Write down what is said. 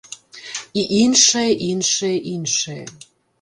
І іншае, іншае, іншае.